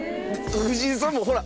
藤井さんも、ほら。